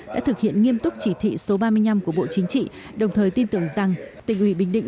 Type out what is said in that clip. đã thực hiện nghiêm túc chỉ thị số ba mươi năm của bộ chính trị đồng thời tin tưởng rằng tỉnh ủy bình định